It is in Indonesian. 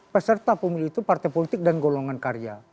peserta pemilu itu partai politik dan golongan karya